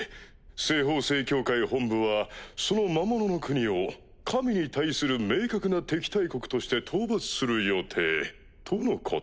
西方聖教会本部はその魔物の国を神に対する明確な敵対国として討伐する予定とのことです。